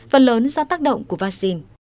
phần lớn do tác động của vaccine